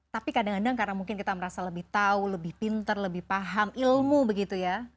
tapi kadang kadang karena mungkin kita merasa lebih tahu lebih pinter lebih paham ilmu begitu ya